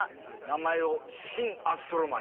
名前を。